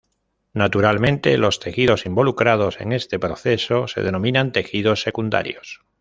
Naturalmente, los tejidos involucrados en este proceso se denominan tejidos secundarios.